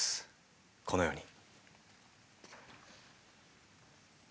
このように。